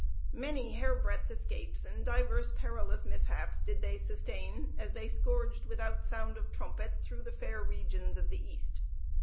Many hair breadth escapes and divers perilous mishaps did they sustain, as they scourged, without sound of trumpet, through the fair regions of the east.